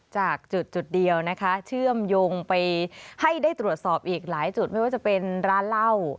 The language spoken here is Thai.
จากจุดเดียวนะคะเชื่อมโยงไปให้ได้ตรวจสอบอีกหลายจุดไม่ว่าจะเป็นร้านเหล้า